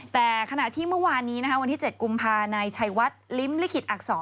แต่ขณะที่เมื่อวานนี้วันที่๗กุมภานายชัยวัดลิ้มลิขิตอักษร